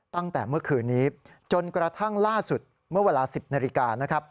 ตั้งแต่เมื่อคืนนี้จนกระทั่งล่าสุดเมื่อเวลา๑๐นาฬิกานะครับ